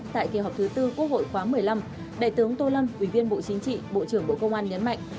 tại kỳ họp thứ tư quốc hội khóa một mươi năm đại tướng tô lâm ủy viên bộ chính trị bộ trưởng bộ công an nhấn mạnh